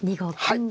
はい。